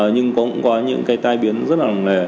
nhưng cũng có những cái tai biến rất là lòng lẻ